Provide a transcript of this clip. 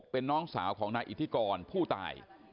เป็นน้องสาวของนายอิทธิกรผู้ตาย